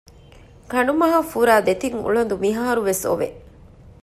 ކަނޑުމަހަށް ފުރާ ދެތިން އުޅަދު މިހާރު ވެސް އޮވެ